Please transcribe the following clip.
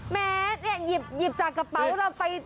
แม่นี่หยิบจากกระเป๋าเราไปนี่